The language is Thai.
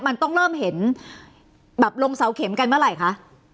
มันต้องเริ่มเห็นแบบลงเสาเข็มกันเมื่อไหร่คะ